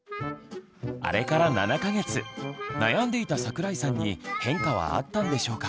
悩んでいた桜井さんに変化はあったんでしょうか。